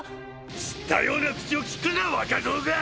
知ったような口を利くな若造が！